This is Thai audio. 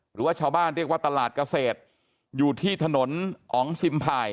หรือว่าชาวบ้านเรียกว่าตลาดเกษตรอยู่ที่ถนนอ๋องซิมผ่าย